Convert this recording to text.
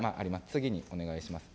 次にお願いします。